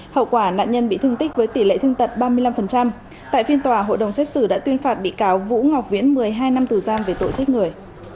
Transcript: hậu quả nạn nhân bị thương tích với tỷ lệ thương tật ba mươi năm tại phiên tòa hội đồng xét xử đã tuyên phạt bị cáo vũ ngọc viễn một mươi hai năm tù giam về tội giết người